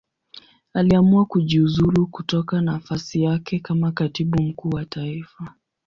Aliamua kujiuzulu kutoka nafasi yake kama Katibu Mkuu wa Taifa.